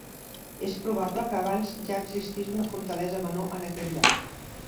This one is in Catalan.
És probable que abans ja existís una fortalesa menor en aquell lloc.